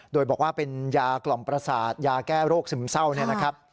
โดยบอกว่าเป็นยากล่อมประสาทยาแก้โรคซึมเศร้า